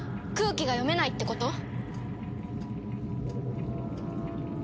空気が読めないってこと？